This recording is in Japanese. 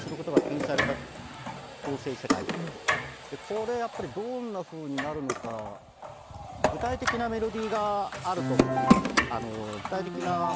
これやっぱりどんなふうになるのか具体的なメロディーがあると。